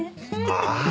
ああ！